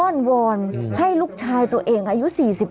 ้อนวอนให้ลูกชายตัวเองอายุ๔๓